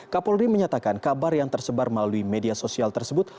kapolri menyatakan kabar yang tersebar melalui media sosial tersebut